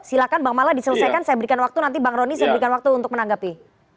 silahkan bang mala diselesaikan saya berikan waktu nanti bang roni saya berikan waktu untuk menanggapi